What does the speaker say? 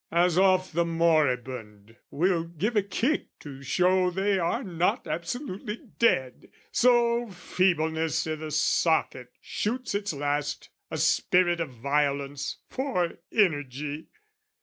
"As oft the moribund will give a kick "To show they are not absolutely dead, "So feebleness i' the socket shoots its last, "A spirt of violence for energy!